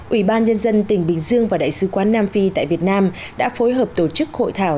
ủy ban nhân dân tỉnh bình dương và đại sứ quán nam phi tại việt nam đã phối hợp tổ chức hội thảo